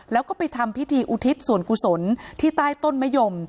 แล้วก็ไปทำพิธีอุทิศส่วนกุศลที่ใต้ต้นมะยม